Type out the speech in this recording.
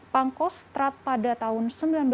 pangkos strat pada tahun seribu sembilan ratus enam puluh tiga